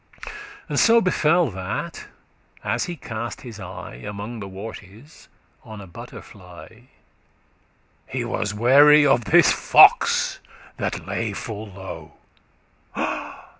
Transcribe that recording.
<28> And so befell that, as he cast his eye Among the wortes,* on a butterfly, *cabbages He was ware of this fox that lay full low.